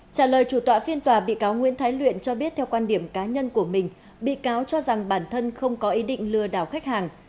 trả lời chủ tọa phiên tòa bị cáo nguyễn thái luyện cho biết theo quan điểm cá nhân của mình bị cáo cho rằng bản thân không có ý định lừa đảo khách hàng